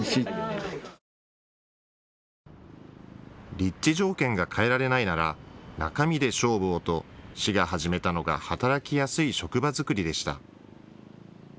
立地条件が変えられないなら中身で勝負をと、市が始めたのが働きやすい職場作りでした。